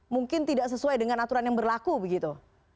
mungkin tidak sesuai dengan aturan yang berlaku begitu